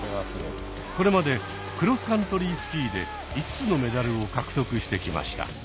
これまでクロスカントリースキーで５つのメダルを獲得してきました。